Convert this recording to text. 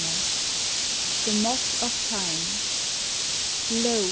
28 THE MOTH OF TIME Lo